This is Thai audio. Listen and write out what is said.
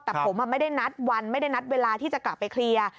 แต่ผมไม่ได้นัดวันไม่ได้นัดเวลาที่จะกลับไปเคลียร์